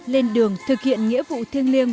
lên đường thực hiện nghĩa vụ thiêng liêng